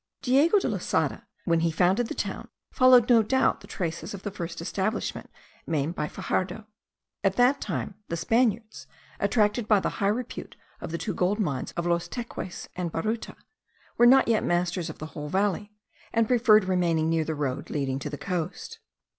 Diego de Losada, when he founded* the town, followed no doubt the traces of the first establishment made by Faxardo. At that time, the Spaniards, attracted by the high repute of the two gold mines of Los Teques and Baruta, were not yet masters of the whole valley, and preferred remaining near the road leading to the coast.